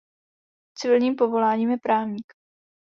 Civilním povoláním je právník.